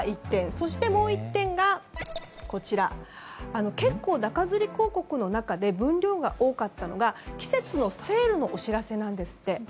そして、もう１点が結構中づり広告の中で分量が多かったのが季節のセールのお知らせなんですって。